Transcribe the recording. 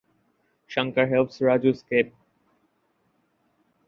Shankar helps Raju escape.